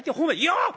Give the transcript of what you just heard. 「よっ！